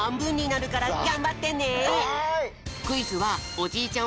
クイズはおじいちゃん